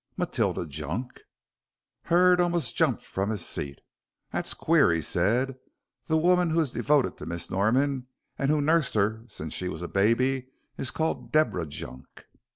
"Matilda Junk." Hurd almost jumped from his seat. "That's queer," he said, "the woman who is devoted to Miss Norman and who nursed her since she was a baby is called Deborah Junk."